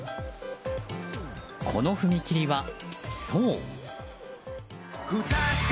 この踏切は、そう。